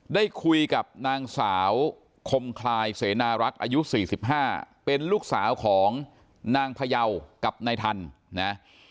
ได้คุยกับนางสาวคมคลายเสนารักษ์อายุ๔๕เป็นลูกสาวของนางพยาวกับนายทันนะ